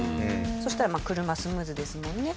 そしたら車スムーズですもんね。